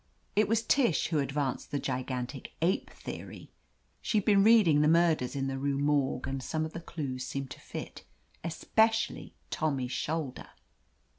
It was Tish who advanced the gigantic ape theory. She'd been reading The Murders in io6 I OF LETITIA CARBERRY the Rue Morgue, and some of the clues seemed to fit, especially Tommy's shoulder.